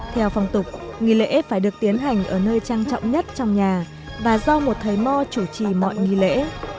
theo phong tục nghi lễ phải được tiến hành ở nơi trang trọng nhất trong nhà và do một thầy mò chủ trì mọi nghi lễ